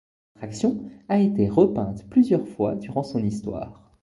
L'attraction a été repeinte plusieurs fois durant son histoire.